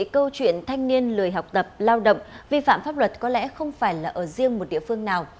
câu chuyện thanh niên lười học tập lao động vi phạm pháp luật có lẽ không phải là ở riêng một địa phương nào